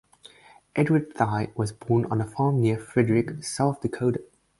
Edward Thye was born on a farm near Frederick, South Dakota.